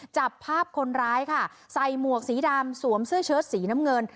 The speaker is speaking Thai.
จับภาพคนร้ายค่ะใส่หมวกสีดำสวมเสื้อเชิดสีน้ำเงิน